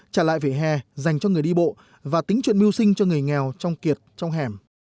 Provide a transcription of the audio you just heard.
trả lại vỉa hè dành cho người đi bộ và tính chuyện mưu sinh cho người nghèo trong kiệt trong hẻm